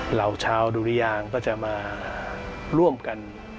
เหล่าชาวดุริยางก็จะมาร่วมกัน